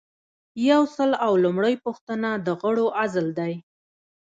یو سل او لومړۍ پوښتنه د غړو عزل دی.